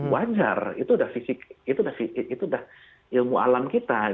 wajar itu sudah ilmu alam kita